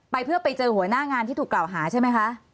เพื่อไปเจอหัวหน้างานที่ถูกกล่าวหาใช่ไหมคะ